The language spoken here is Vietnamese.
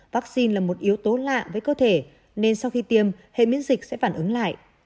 vaccine là một yếu tố lạ với cơ thể nên sau khi tiêm hệ miễn dịch sẽ phản ứng lại